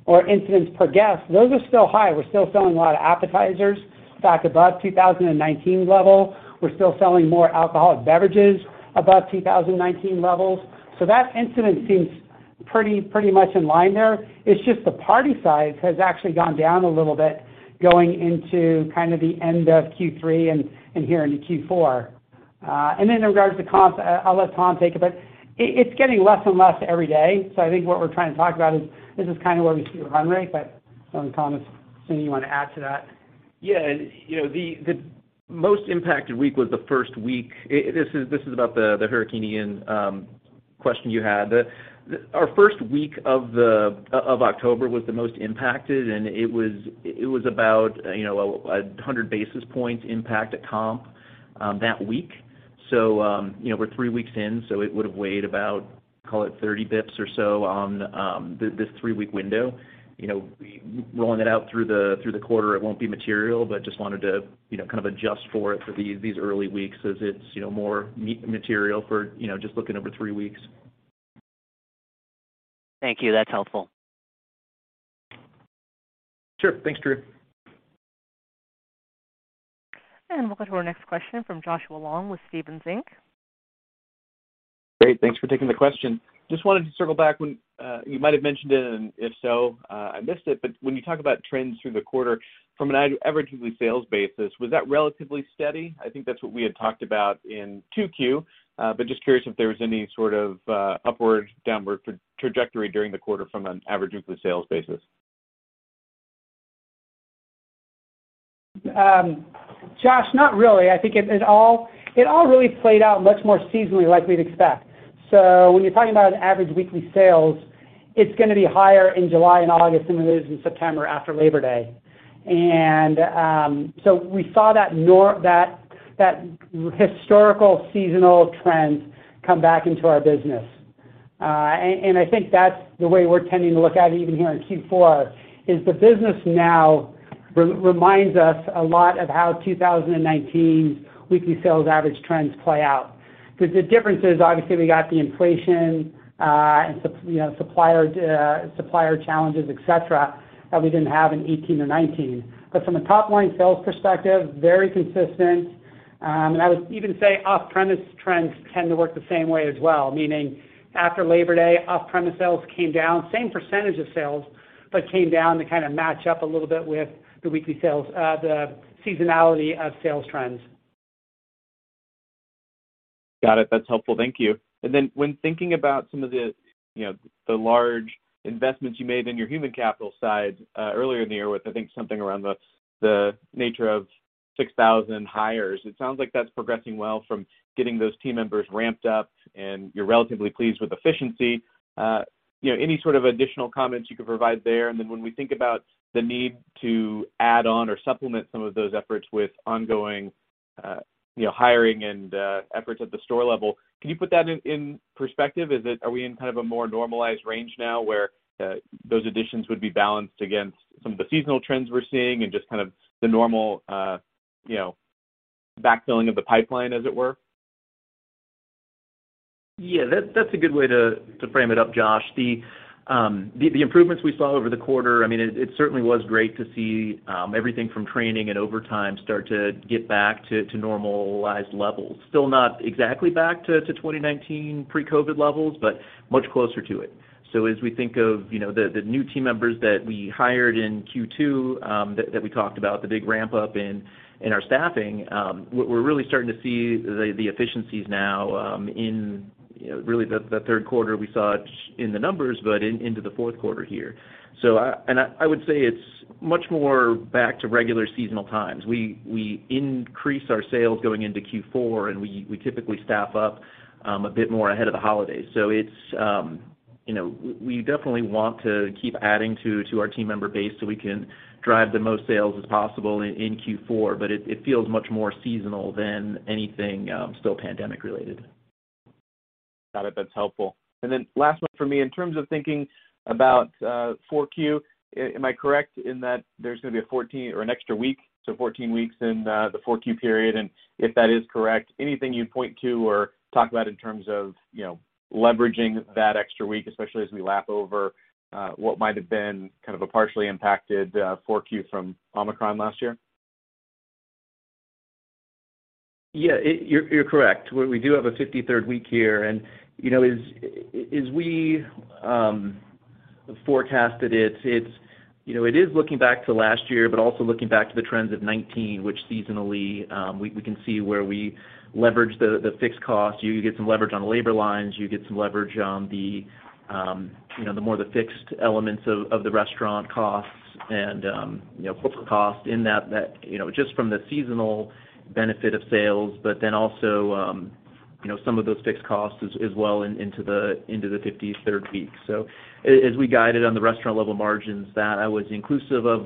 or entrees per guest, those are still high. We're still selling a lot of appetizers back above 2019 level. We're still selling more alcoholic beverages above 2019 levels. That entree seems pretty much in line there. It's just the party size has actually gone down a little bit going into kind of the end of Q3 and here into Q4. In regards to comps, I'll let Tom take it. It's getting less and less every day. I think what we're trying to talk about is this is kind of where we see the run rate. Don't know if Tom is something you wanna add to that.
Yeah. You know, the most impacted week was the first week. This is about the Hurricane Ian question you had. Our first week of October was the most impacted, and it was about, you know, 100 basis points impact at comp that week. You know, we're three weeks in, so it would've weighed about, call it 30 basis points or so on this three-week window. You know, rolling it out through the quarter, it won't be material, but just wanted to, you know, kind of adjust for it for these early weeks as it's, you know, more material for, you know, just looking over three weeks.
Thank you. That's helpful.
Sure. Thanks, Drew.
Welcome to our next question from Joshua Long with Stephens Inc.
Great. Thanks for taking the question. Just wanted to circle back when you might have mentioned it, and if so, I missed it. When you talk about trends through the quarter from an average weekly sales basis, was that relatively steady? I think that's what we had talked about in 2Q. Just curious if there was any sort of upward, downward trajectory during the quarter from an average weekly sales basis.
Josh, not really. I think it all really played out much more seasonally like we'd expect. When you're talking about an average weekly sales, it's gonna be higher in July and August than it is in September after Labor Day. We saw that historical seasonal trends come back into our business. I think that's the way we're tending to look at it even here in Q4. The business now reminds us a lot of how 2019's weekly sales average trends play out. The difference is obviously we got the inflation and, you know, supplier challenges, et cetera, that we didn't have in 2018 or 2019. From a top-line sales perspective, very consistent. I would even say off-premise trends tend to work the same way as well, meaning after Labor Day, off-premise sales came down. Same percentage of sales, but came down to kind of match up a little bit with the weekly sales, the seasonality of sales trends.
Got it. That's helpful. Thank you. When thinking about some of the, you know, the large investments you made in your human capital side, earlier in the year with, I think, something around the nature of 6,000 hires, it sounds like that's progressing well from getting those team members ramped up, and you're relatively pleased with efficiency. You know, any sort of additional comments you could provide there? When we think about the need to add on or supplement some of those efforts with ongoing, you know, hiring and efforts at the store level, can you put that in perspective? Is it Are we in kind of a more normalized range now where those additions would be balanced against some of the seasonal trends we're seeing and just kind of the normal, you know, backfilling of the pipeline, as it were?
Yeah, that's a good way to frame it up, Josh. The improvements we saw over the quarter, I mean, it certainly was great to see, everything from training and overtime start to get back to normalized levels. Still not exactly back to 2019 pre-COVID levels, but much closer to it. As we think of, you know, the new team members that we hired in Q2, that we talked about, the big ramp up in our staffing, what we're really starting to see the efficiencies now, in, you know, really Q3 we saw it in the numbers, but into Q4 here. I would say it's much more back to regular seasonal times. We increase our sales going into Q4, and we typically staff up a bit more ahead of the holidays. It's, you know, we definitely want to keep adding to our team member base, so we can drive the most sales as possible in Q4, but it feels much more seasonal than anything still pandemic-related.
Got it. That's helpful. Last one for me, in terms of thinking about 4Q, am I correct in that there's gonna be a 14 or an extra week, so 14 weeks in 4Q period? If that is correct, anything you'd point to or talk about in terms of, you know, leveraging that extra week, especially as we lap over what might have been kind of a partially impacted 4Q from Omicron last year?
Yeah. You're correct. We do have a 53rd week here. You know, as we forecasted it's, you know, it is looking back to last year, but also looking back to the trends of 19, which seasonally, we can see where we leverage the fixed costs. You get some leverage on labor lines, you get some leverage on the, you know, the more fixed elements of the restaurant costs and, you know, corporate costs in that, you know, just from the seasonal benefit of sales, but then also, you know, some of those fixed costs as well into the 53rd week. As we guided on the restaurant level margins, that was inclusive of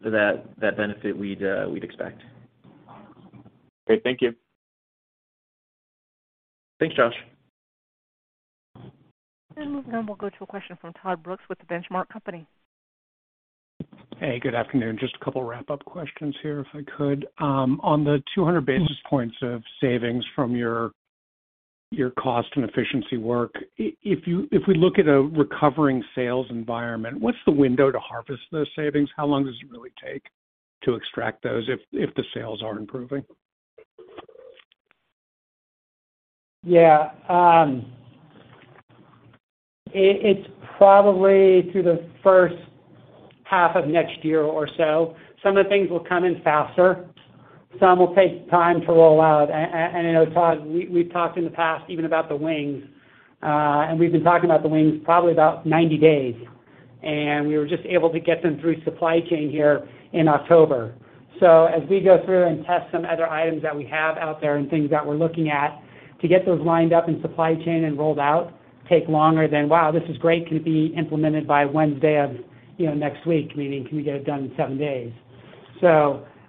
that benefit we'd expect.
Great. Thank you.
Thanks, Josh.
Now we'll go to a question from Todd Brooks with The Benchmark Company.
Hey, good afternoon. Just a couple wrap-up questions here, if I could. On the 200 basis points of savings from your cost and efficiency work, if we look at a recovering sales environment, what's the window to harvest those savings? How long does it really take to extract those if the sales are improving?
Yeah. It's probably through the first half of next year or so. Some of the things will come in faster, some will take time to roll out. And I know, Todd, we've talked in the past even about the wings, and we've been talking about the wings probably about 90 days. And we were just able to get them through supply chain here in October. As we go through and test some other items that we have out there and things that we're looking at, to get those lined up in supply chain and rolled out take longer than, Wow, this is great. Can it be implemented by Wednesday of, you know, next week? Meaning, can we get it done in seven days?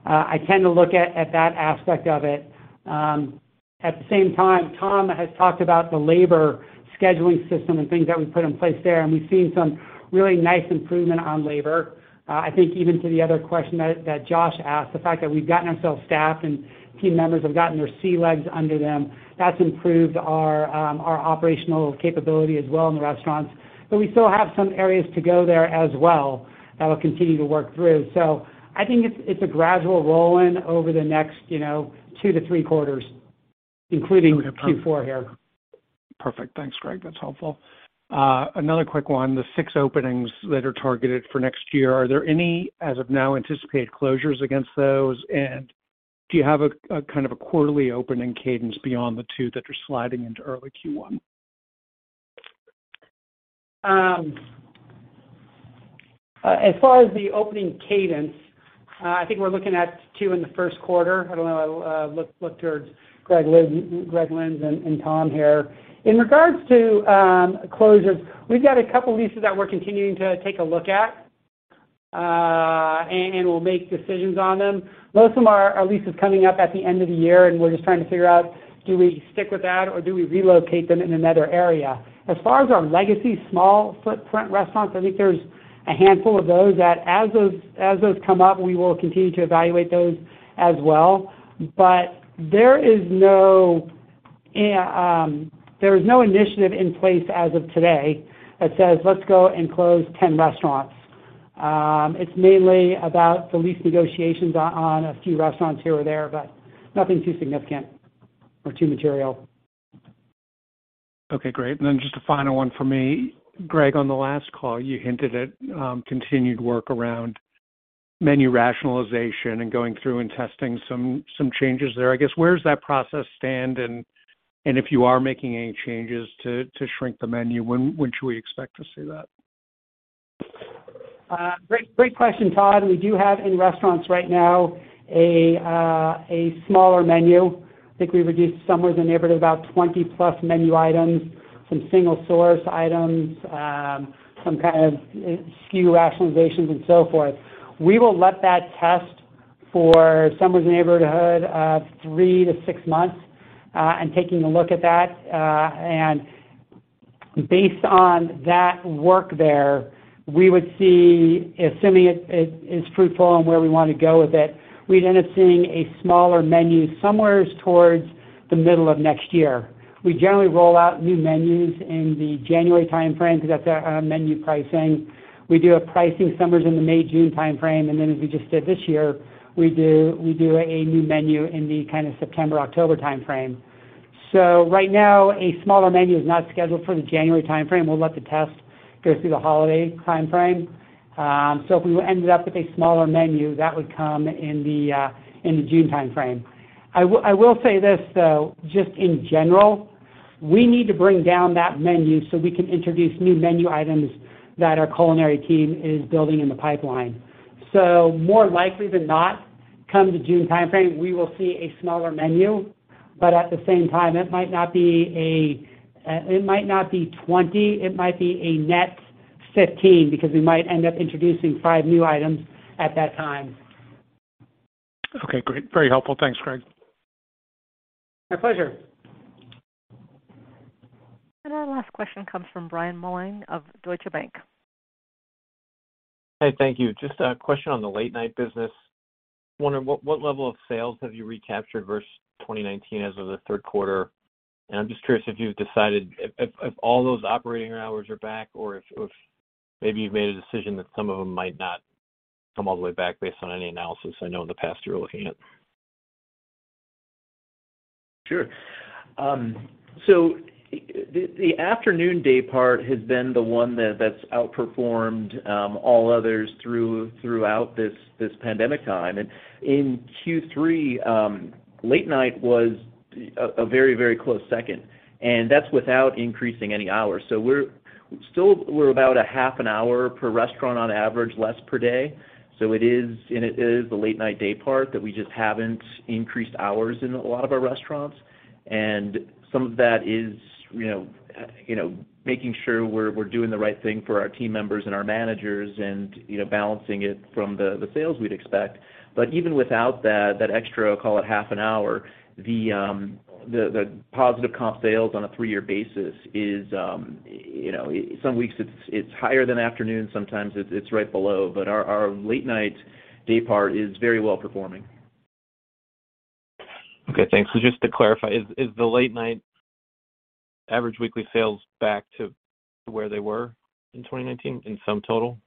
I tend to look at that aspect of it. At the same time, Tom has talked about the labor scheduling system and things that we put in place there, and we've seen some really nice improvement on labor. I think even to the other question that Josh asked, the fact that we've gotten ourselves staffed and team members have gotten their sea legs under them, that's improved our operational capability as well in the restaurants. We still have some areas to go there as well that we'll continue to work through. I think it's a gradual roll-in over the next, you know, two to three quarters, including Q4 here.
Perfect. Thanks, Greg. That's helpful. Another quick one. The six openings that are targeted for next year, are there any, as of now, anticipated closures against those? And do you have a kind of quarterly opening cadence beyond the two that are sliding into early Q1?
As far as the opening cadence, I think we're looking at two in Q1. I don't know, look towards Greg Lynds and Tom here. In regards to closures, we've got a couple leases that we're continuing to take a look at, and we'll make decisions on them. Most of them are leases coming up at the end of the year, and we're just trying to figure out, do we stick with that or do we relocate them in another area? As far as our legacy small footprint restaurants, I think there's a handful of those that as those come up, we will continue to evaluate those as well. There is no initiative in place as of today that says, Let's go and close 10 restaurants. It's mainly about the lease negotiations on a few restaurants here or there, but nothing too significant or too material.
Okay, great. Just a final one for me. Greg, on the last call, you hinted at continued work around menu rationalization and going through and testing some changes there. I guess, where does that process stand? If you are making any changes to shrink the menu, when should we expect to see that?
Great question, Todd. We do have in restaurants right now a smaller menu. I think we reduced somewhere in the neighborhood of about 20 plus menu items, some single source items, some kind of SKU rationalizations and so forth. We will let that test for somewhere in the neighborhood of three to six months and taking a look at that. Based on that work there, we would see, assuming it is fruitful and where we wanna go with it, we'd end up seeing a smaller menu somewhere towards the middle of next year. We generally roll out new menus in the January timeframe to get the menu pricing. We do a pricing somewhere in the May-June timeframe, and then as we just did this year, we do a new menu in the kind of September-October timeframe. Right now, a smaller menu is not scheduled for the January timeframe. We'll let the test go through the holiday timeframe. If we ended up with a smaller menu, that would come in the June timeframe. I will say this, though, just in general. We need to bring down that menu so we can introduce new menu items that our culinary team is building in the pipeline. More likely than not, come the June timeframe, we will see a smaller menu. But at the same time, it might not be 20, it might be a net 15 because we might end up introducing five new items at that time.
Okay, great. Very helpful. Thanks, Greg.
My pleasure.
Our last question comes from Brian Mullan of Deutsche Bank.
Hey, thank you. Just a question on the late night business. Wondering what level of sales have you recaptured versus 2019 as of Q3? I'm just curious if you've decided if all those operating hours are back or if maybe you've made a decision that some of them might not come all the way back based on any analysis I know in the past you were looking at.
Sure. So the afternoon day part has been the one that's outperformed all others throughout this pandemic time. In Q3, late night was a very close second, and that's without increasing any hours. We're still about a half an hour per restaurant on average, less per day. It is the late night day part that we just haven't increased hours in a lot of our restaurants. Some of that is, you know, making sure we're doing the right thing for our team members and our managers and, you know, balancing it from the sales we'd expect. Even without that extra, call it half an hour, the positive comp sales on a three-year basis is, you know, some weeks it's higher than afternoon, sometimes it's right below. Our late-night day part is very well performing.
Okay, thanks. Just to clarify, is the late-night average weekly sales back to where they were in 2019 in sum total?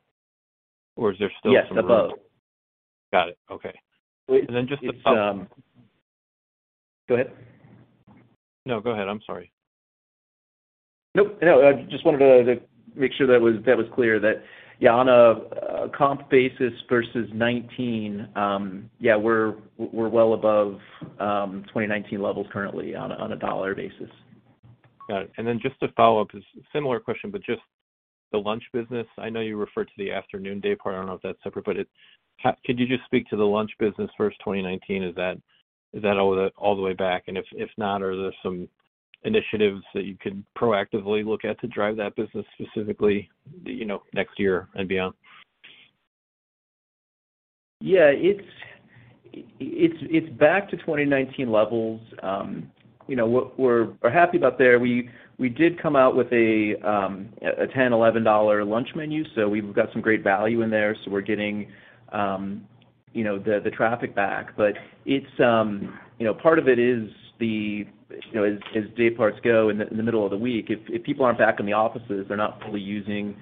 Or is there still some room?
Yes, above.
Got it. Okay.
It's, it's, um-
Just to follow up.
Go ahead.
No, go ahead. I'm sorry.
No, I just wanted to make sure that was clear, yeah, on a comp basis versus 2019, yeah, we're well above 2019 levels currently on a dollar basis.
Got it. Just to follow up, similar question, but just the lunch business. I know you referred to the afternoon day part. I don't know if that's separate, but could you just speak to the lunch business versus 2019? Is that all the way back? If not, are there some initiatives that you can proactively look at to drive that business specifically, you know, next year and beyond?
Yeah. It's back to 2019 levels. You know, we're happy about that. We did come out with a $10-$11 lunch menu, so we've got some great value in there, so we're getting you know, the traffic back. It's you know, part of it is the you know, as day parts go in the middle of the week, if people aren't back in the offices, they're not fully using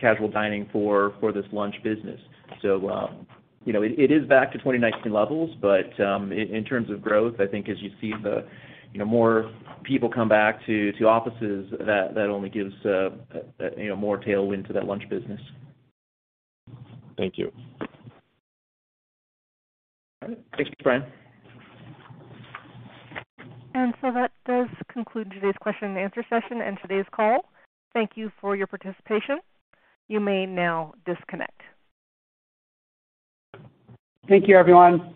casual dining for this lunch business. You know, it is back to 2019 levels, in terms of growth, I think as you see the you know, more people come back to offices, that only gives you know, more tailwind to that lunch business.
Thank you.
All right. Thanks, Brian.
That does conclude today's question and answer session and today's call. Thank you for your participation. You may now disconnect.
Thank you, everyone.
Thank you.